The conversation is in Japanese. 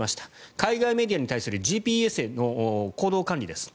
海外メディアに対するＧＰＳでの行動管理です。